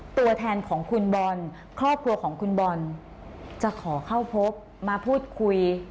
ตัวแทนของคุณบอลครอบครัวของคุณบอลจะขอเข้าพบมาพูดคุย